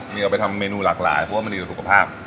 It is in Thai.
มีเอาไปทำเมนูหลากหลายเพราะว่ามันดีต่อสุขภาพ